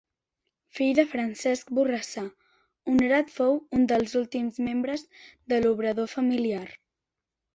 Fill de Francesc Borrassà, Honorat fou un dels últims membres de l'obrador familiar.